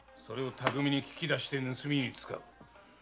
それを巧みに聞き出して盗みに使う。